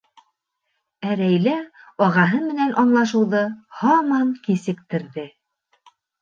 Ә Рәйлә ағаһы менән аңлашыуҙы һаман кисектерҙе.